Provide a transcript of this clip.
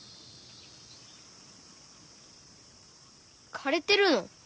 かれてるの？